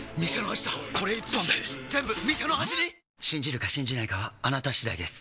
信じるか信じないかはあなた次第です